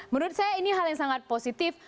menurut saya ini hal yang sangat positif